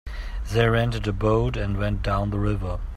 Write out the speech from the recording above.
They rented a boat and went down the river.